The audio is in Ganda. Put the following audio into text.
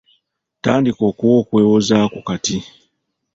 Tandika okuwa okwewozaako kwo kati.